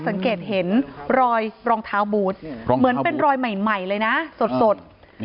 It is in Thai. สังเกตเห็นรอยรองเท้าบูธเหมือนเป็นรอยใหม่เลยนะสด